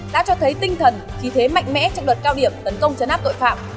đã cho thấy tinh thần khí thế mạnh mẽ trong đợt cao điểm tấn công chấn áp tội phạm